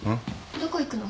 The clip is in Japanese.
どこ行くの？